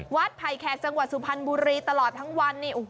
ไผ่แขกจังหวัดสุพรรณบุรีตลอดทั้งวันนี่